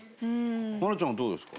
愛菜ちゃんは、どうですか？